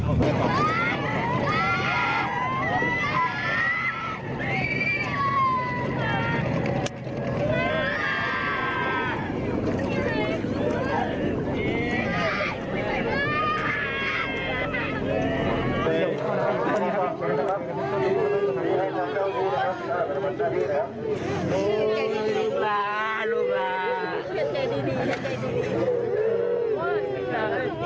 โอ้โฮลูกลาลูกลา